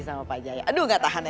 sama pak jaya aduh gak tahan ya